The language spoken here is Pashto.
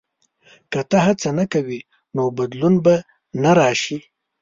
• که ته هڅه نه کوې، نو بدلون به نه راشي.